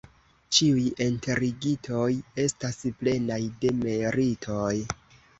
Ĉiuj enterigitoj estas plenaj de meritoj.